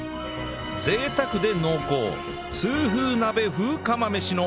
贅沢で濃厚痛風鍋風釜飯のお味は？